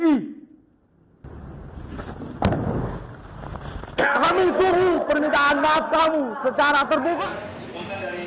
kami tunggu pernyataan matamu secara terbuka